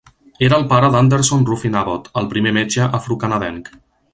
Era el pare d'Anderson Ruffin Abbot, el primer metge afrocanadenc.